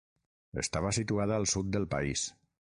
Estava situada al sud del país.